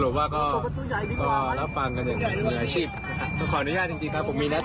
ขอแกรับตั้งใจ